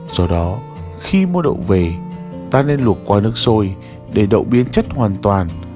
do đó khi mua đậu về ta nên luộc qua nước sôi để đậu biến chất hoàn toàn